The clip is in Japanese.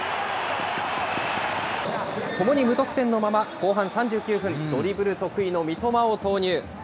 ともに無得点のまま、後半３９分、ドリブル得意の三笘を投入。